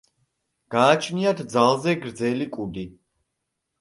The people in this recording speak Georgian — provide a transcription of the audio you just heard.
გააჩნიათ ძალზე გრძელი კუდი.